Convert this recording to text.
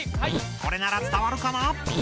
これなら伝わるかな？